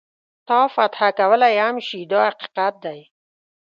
تا فتح کولای هم شي دا حقیقت دی.